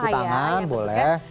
sapu tangan boleh